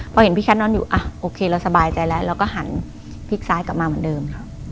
พอเห็นพี่ชัดนอนอยู่โอเคเราสบายใจแล้วเราก็หันพลิกซ้ายกลับมาเหมือนเดิม